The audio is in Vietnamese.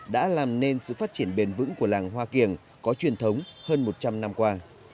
đã làm nên sự phát triển bền vững của làng hoa kiểng có truyền thống hơn một trăm linh năm qua